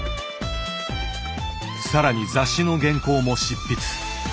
さらに雑誌の原稿も執筆。